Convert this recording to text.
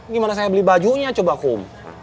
gimana saya beli bajunya coba kum